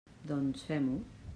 Doncs, fem-ho.